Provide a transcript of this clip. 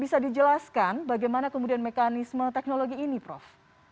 bisa dijelaskan bagaimana kemudian mekanisme teknologi ini prof